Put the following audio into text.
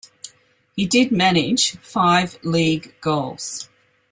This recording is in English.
He did manage five league goals.